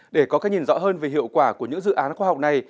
để có cái nhìn rõ hơn về hiệu quả của những dự án khoa học này